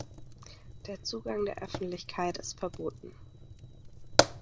Der Zugang der Öffentlichkeit ist verboten.